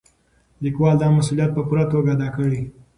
لیکوال دا مسؤلیت په پوره توګه ادا کړی.